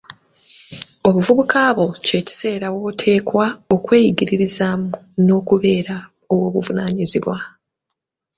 Obuvubuka bwo kye kiseera woteekwa okweyigiririzaamu n'okubeera ow'obuvunaanyizibwa.